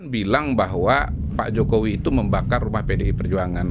bilang bahwa pak jokowi itu membakar rumah pdi perjuangan